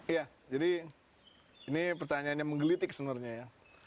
iya jadi ini pertanyaannya menggelitik sebenarnya ya